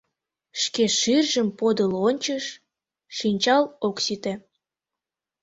Шке шӱржым подыл ончыш — шинчал ок сите.